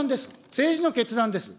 政治の決断です。